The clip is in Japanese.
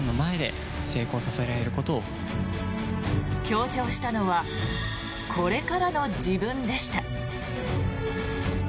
強調したのはこれからの自分でした。